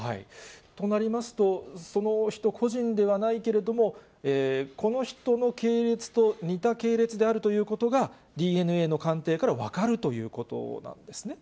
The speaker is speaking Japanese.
となりますと、その人個人ではないけれども、この人の系列と似た系列であるということが、ＤＮＡの鑑定から分かるということなんですね？